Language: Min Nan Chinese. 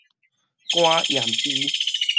肝炎 B